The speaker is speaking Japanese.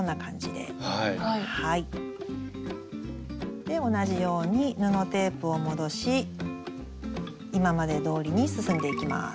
で同じように布テープを戻し今までどおりに進んでいきます。